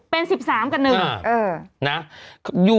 เป็น๑๓กับ๑นะ